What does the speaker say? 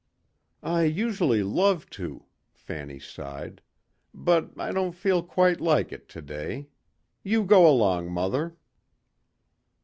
"I usually love to," Fanny sighed. "But I don't feel quite like it today. You go along, mother."